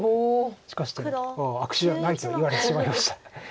しかし悪手じゃないと言われてしまいました。